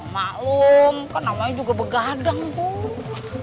maklum kan namanya juga begadang tuh